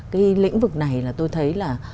cái lĩnh vực này là tôi thấy là